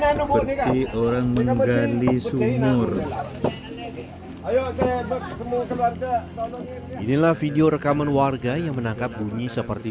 seperti orang menggali sumur inilah video rekaman warga yang menangkap bunyi seperti